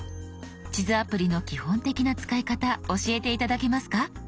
地図アプリの基本的な使い方教えて頂けますか？